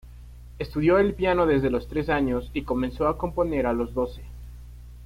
Estudió el piano desde los tres años y comenzó a componer a los doce.